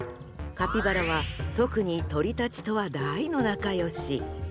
カピバラは特に鳥たちとは大の仲良し。